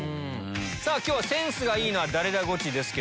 今日は「センスがいいのは誰だ⁉ゴチ」ですけども。